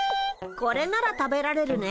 これなら食べられるね。